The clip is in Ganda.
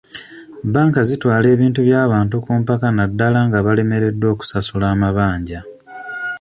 Bbanka zitwala ebintu by'abantu ku mpaka na ddala nga balemereddwa okusasula amabanja.